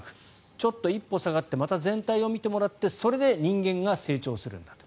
ちょっと一歩下がってまた全体を見てもらってそれで人間が成長するんだと。